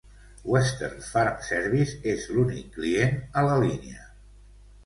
Western Farm Service és l'únic client a la línia.